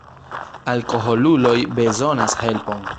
Alkoholuloj bezonas helpon.